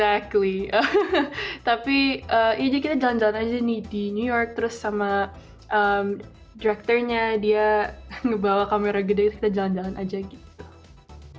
ya benar tapi kita jalan jalan aja di new york sama directornya dia bawa kamera gede kita jalan jalan aja gitu